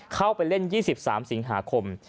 เข้าไปเล่น๒๓สิงหาคม